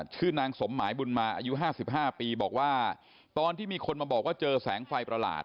ชื่อนางสมหมายบุญมาอายุ๕๕ปีบอกว่าตอนที่มีคนมาบอกว่าเจอแสงไฟประหลาด